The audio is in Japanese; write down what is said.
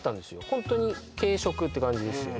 ホントに「軽食」って感じですよね